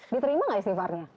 diterima gak istighfarnya